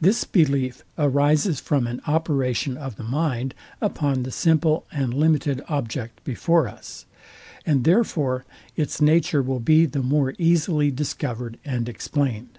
This belief arises from an operation of the mind upon the simple and limited object before us; and therefore its nature will be the more easily discovered and explained.